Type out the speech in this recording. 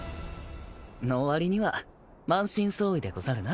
のわりには満身創痍でござるな。